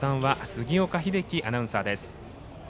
杉岡英樹アナウンサーです。